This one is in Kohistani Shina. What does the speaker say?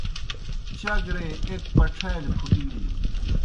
چگرے ایْک پَڇَھالیْ پُھٹِلِن۔